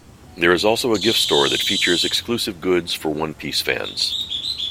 There is also a gift store that features exclusive goods for One Piece fans.